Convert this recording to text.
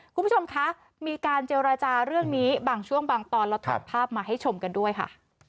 คุณผู้ชมคะมีการเจรจาเรื่องนี้บางช่วงบางตอนเราถ่ายภาพมาให้ชมกันด้วยค่ะ